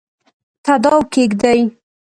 تاداو کښېږدي